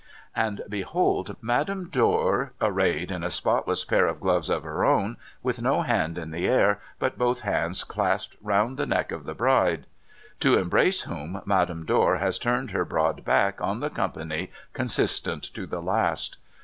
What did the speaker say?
And behold Madame Dor, arrayed in a spotless pair of gloves of her own, with no hand in the air, but both hands clasped round the neck of the bride ; to embrace whom Madame Dor has turned her broad back on the company, consistent to the last.